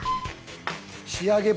仕上げ蓋。